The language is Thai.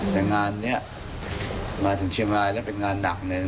แต่งานนี้มาถึงเชียงรายแล้วเป็นงานหนักเลย